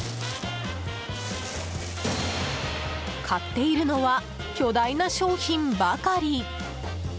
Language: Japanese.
買っているのは巨大な商品ばかり！